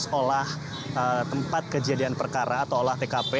proses olah tempat kejadian perkara atau olah tkp